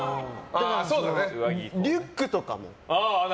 リュックとかも。